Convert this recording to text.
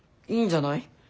いいんじゃない？